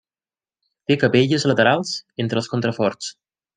Té capelles laterals entre els contraforts.